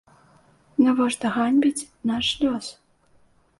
Навошта ганьбіць наш лёс?